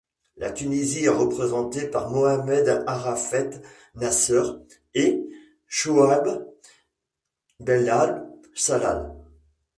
La Tunisie est représentée par Mohamed Arafet Naceur et Chouaib Belhaj Salah.